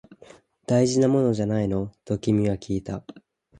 大事なものじゃないの？と君はきいた